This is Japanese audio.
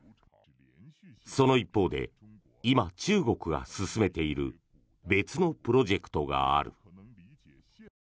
その一方で今、中国が進めている別のプロジェクトがある。